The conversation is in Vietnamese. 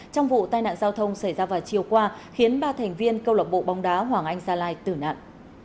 trong vụ tai nạn giao thông xảy ra vào chiều qua khiến ba thành viên câu lạc bộ bóng đá hoàng anh gia lai tử nạn